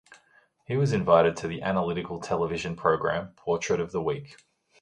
He was invited to the analytical television program Portrait of the Week.